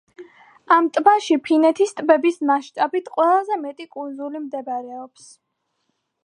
ამ ტბაში ფინეთის ტბების მასშტაბით ყველაზე მეტი კუნძული მდებარეობს.